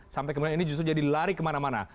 sampai kemudian ini justru jadi lari kemana mana